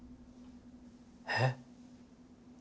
えっ？